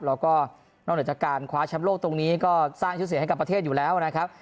แล้วก็นอกเหนือจากการคว้าแชมป์โลกตรงนี้ก็สร้างชื่อเสียงให้กับประเทศอยู่แล้วนะครับ